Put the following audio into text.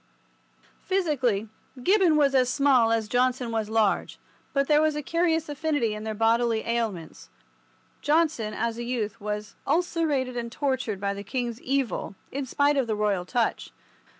Physically, Gibbon was as small as Johnson was large, but there was a curious affinity in their bodily ailments. Johnson, as a youth, was ulcerated and tortured by the king's evil, in spite of the Royal touch.